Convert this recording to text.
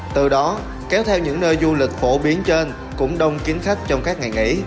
từ đó kéo theo những nơi du lịch phổ biến trên cũng đông chính khách trong các ngày nghỉ